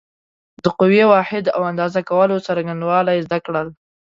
د قوې واحد او اندازه کولو څرنګوالی زده کړل.